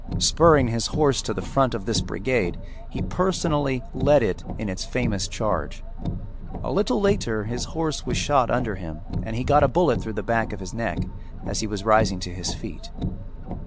Spurring his horse to the front of this brigade, he personally led it in its famous charge. A little later his horse was shot under him and he got a bullet through the back of his neck as he was rising to his feet.